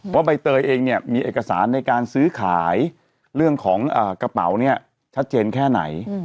ใบเตยเองเนี่ยมีเอกสารในการซื้อขายเรื่องของกระเป๋าเนี่ยชัดเจนแค่ไหน